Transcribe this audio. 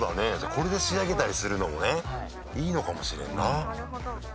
これで仕上げたりするのもねいいのかもしれんな。